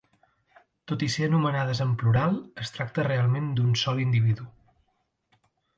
Tot i ser anomenades en plural, es tracta realment d'un sol individu.